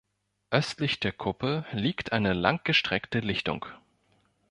Östlich der Kuppe liegt eine langgestreckte Lichtung.